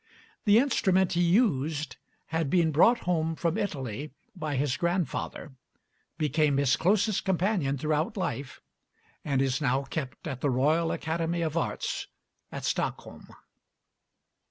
The instrument he used had been brought home from Italy by his grandfather, became his closest companion throughout life, and is now kept at the Royal Academy of Arts at Stockholm.